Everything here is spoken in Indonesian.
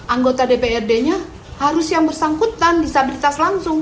anggota dprd nya harus yang bersangkutan